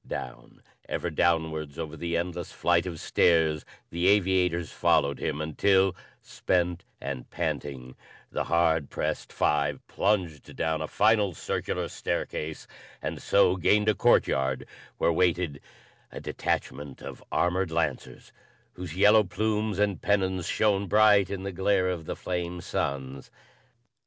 Down, ever downwards over the endless flight of stairs the aviators followed him until, spent and panting, the hard pressed five plunged down a final circular staircase and so gained a courtyard where waited a detachment of armored lancers whose yellow plumes and pennons shone bright in the glare of the flame suns.